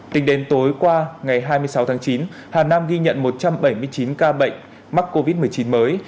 tính đến tối qua ngày hai mươi sáu tháng chín hà nam ghi nhận một trăm bảy mươi chín ca bệnh mắc covid một mươi chín mới